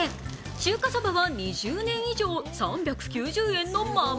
中華そばは２０年以上、３９０円のまま。